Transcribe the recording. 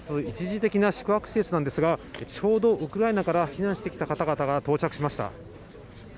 一時的な宿泊施設なんですがちょうどウクライナから避難してきた方々が到着しました。